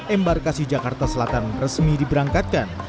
embarkasi jakarta selatan resmi diberangkatkan